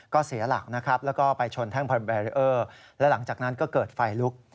ก็เสียหลักนะครับแล้วก็ไปชนแท่งแบรีเออร์และหลังจากนั้นก็เกิดไฟลุก